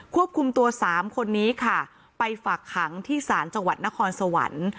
ควบคุมตัวสามคนนี้ค่ะไปฝากขังที่ศาลจังหวัดนครสวรรค์